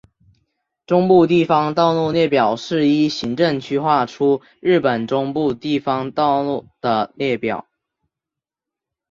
中部地方道路列表是依行政区列出日本中部地方道路的列表。